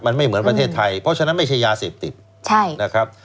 มันไม่เหมือนประเทศไทยเพราะฉะนั้นไม่ใช่ยาเสพติดใช่นะครับ